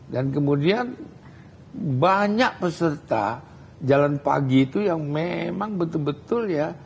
dan kemudian banyak peserta jalan pagi itu yang memang betul betul ya